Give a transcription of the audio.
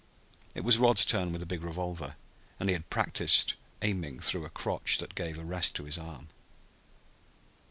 It was Rod's turn with the big revolver, and he had practised aiming through a crotch that gave a rest to his arm.